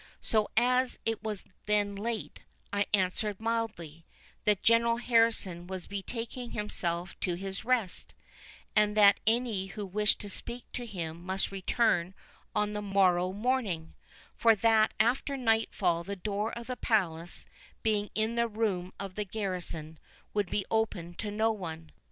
So, as it was then late, I answered mildly, that General Harrison was betaking himself to his rest, and that any who wished to speak to him must return on the morrow morning, for that after nightfall the door of the Palace, being in the room of a garrison, would be opened to no one.